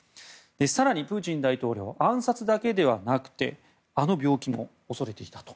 更にプーチン大統領暗殺だけではなくてあの病気も恐れていたと。